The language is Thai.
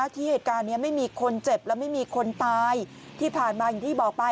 ที่เหตุการณ์นี้ไม่มีคนเจ็บและไม่มีคนตายที่ผ่านมาอย่างที่บอกไป